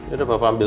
eh udah legang